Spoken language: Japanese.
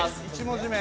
１文字目。